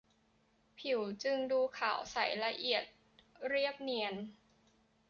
ผิวจึงดูขาวใสละเอียด เรียบเนียน